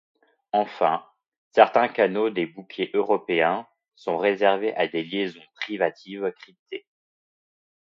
Enfin, certains canaux des bouquets européens sont réservés à des liaisons privatives cryptées.